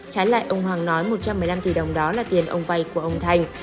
trái lại ông hoàng nói một trăm một mươi năm tỷ đồng đó là tiền ông vay của ông thanh